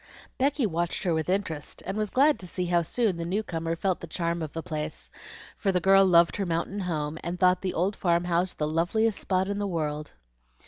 Becky watched her with interest, and was glad to see how soon the new comer felt the charm of the place, for the girl loved her mountain home, and thought the old farm house the loveliest spot in the world.